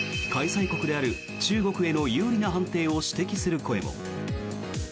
開催国である中国への有利な判定を指摘する声も。